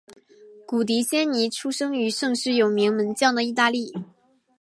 古迪仙尼出生于盛产有名门将的意大利。